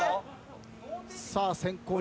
さあ先攻